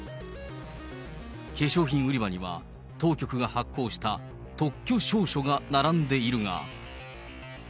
化粧品売り場には、当局が発行した特許証書が並んでいるが。